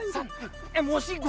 san emosi gua